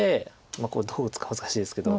これどう打つか難しいですけど。